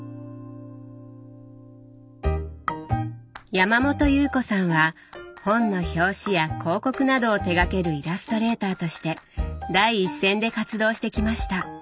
山本祐布子さんは本の表紙や広告などを手がけるイラストレーターとして第一線で活動してきました。